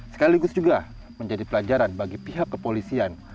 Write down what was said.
sekaligus juga menjadi pelajaran bagi pihak kepolisian